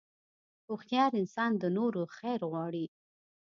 هوښیار انسان د نورو خیر غواړي.